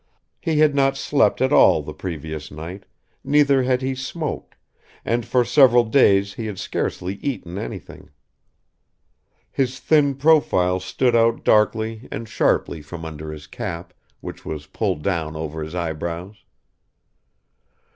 He had not slept at all the previous night, neither had he smoked, and for several days he had scarcely eaten anything. His thin profile stood out darkly and sharply from under his cap, which was pulled down over his eyebrows.